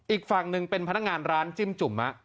อีกฝั่งหนึ่งเป็นพนักงานร้านจิ้มจุ่ม